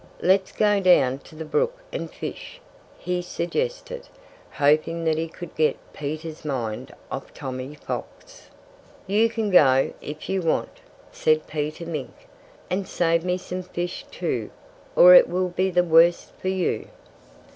"Let's go down to the brook and fish," he suggested, hoping that he could get Peter's mind off Tommy Fox. "You can go if you want to," said Peter Mink. "And save me some fish, too, or it will be the worse for you!"